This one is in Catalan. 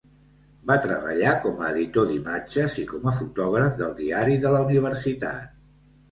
Va treballar com a editor d'imatges i com a fotògraf del diari de la universitat.